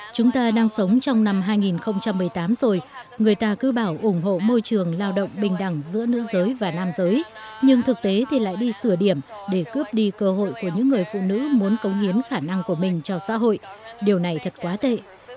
chúng tôi đã thấy ở nhật bản trong năm hai nghìn một mươi tám người ta cứ bảo ủng hộ môi trường lao động bình đẳng giữa nữ giới và nam giới nhưng thực tế thì lại đi sửa điểm để cướp đi cơ hội của những người phụ nữ muốn cống hiến khả năng của mình cho xã hội điều này thật quá tệ